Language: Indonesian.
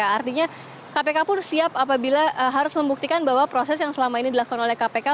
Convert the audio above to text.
artinya kpk pun siap apabila harus membuktikan bahwa proses yang selama ini dilakukan oleh kpk